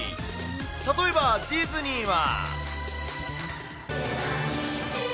例えば、ディズニーは。